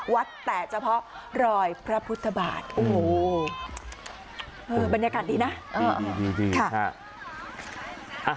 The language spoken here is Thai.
วัดแต่เฉพาะรอยพระพุทธบาทโอ้โหบรรยากาศดีนะ